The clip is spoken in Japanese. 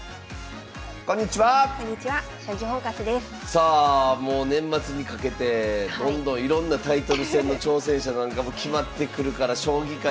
さあもう年末にかけてどんどんいろんなタイトル戦の挑戦者なんかも決まってくるから将棋界